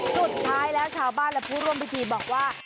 สุดท้ายแล้วชาวบ้านและผู้ร่วมพิธีบอกว่า